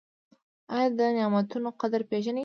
ایا د نعمتونو قدر پیژنئ؟